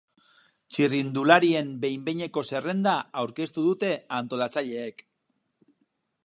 Txirrindularien behin behineko zerrenda aurkeztu dute antolatzaileek.